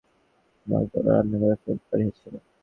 আমাকে ওরা রান্নাঘরে ফেরত পাঠিয়েছে।